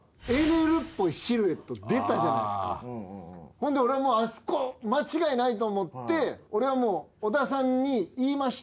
ほんで俺あそこ間違いないと思って俺は尾田さんに言いました。